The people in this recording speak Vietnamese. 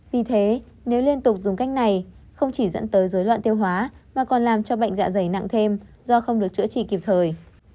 vì thế nếu liên tục dùng cách này không chỉ dẫn tới dối loạn tiêu hóa mà còn làm cho bệnh dạ dày nặng thêm do không được chữa trị kịp thời